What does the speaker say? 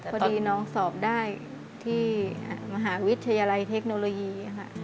พอดีน้องสอบได้ที่มหาวิทยาลัยเทคโนโลยีค่ะ